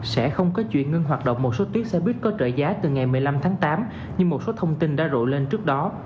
sẽ không có chuyện ngưng hoạt động một số tuyến xe buýt có trợ giá từ ngày một mươi năm tháng tám như một số thông tin đã rộ lên trước đó